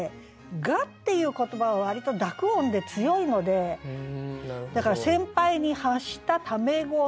「が」っていう言葉は割と濁音で強いのでだから「先輩に発したタメ語の着く前に」。